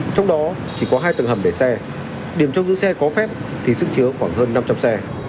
trong đó chỉ có hai tầng hầm để xe điểm trong giữ xe có phép thì sức chứa khoảng hơn năm trăm linh xe